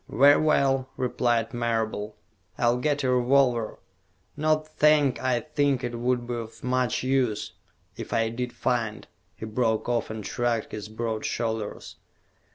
"Very well," replied Marable. "I'll get a revolver. Not that I think it would be of much use, if I did find " He broke off, and shrugged his broad shoulders.